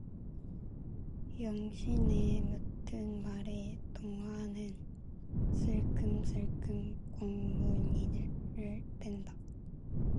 영신의 묻는 말에 동화는 슬금슬금 꽁무니를 뺀다.